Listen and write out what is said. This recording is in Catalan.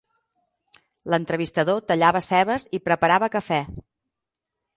L'entrevistador tallava cebes i preparava cafè.